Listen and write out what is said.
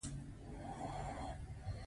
کتاب د سترګو رڼا ده